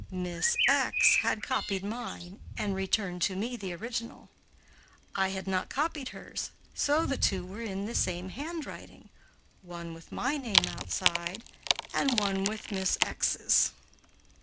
Miss had copied mine, and returned to me the original. I had not copied hers, so the two were in the same handwriting one with my name outside and one with Miss 's.